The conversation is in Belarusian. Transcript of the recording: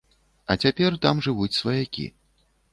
А цяпер там жывуць сваякі.